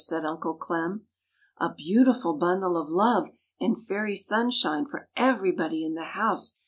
said Uncle Clem. "A beautiful bundle of love and Fairy Sunshine for everybody in the house!"